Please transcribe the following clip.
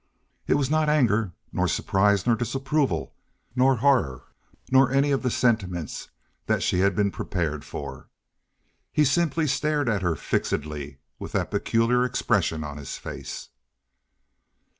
It was not anger, nor surprise, nor disapproval, nor horror, nor any of the sentiments that she had been prepared for. He simply stared at her fixedly with that peculiar expression on his face.